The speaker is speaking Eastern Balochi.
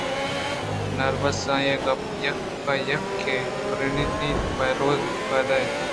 بناربس ءَآئی ءِ گپ یک پہ یک ءَ پِرترینت اَنتءُپہ روگ ءَ پاد اتک